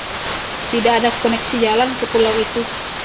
Tidak ada koneksi jalan ke pulau itu.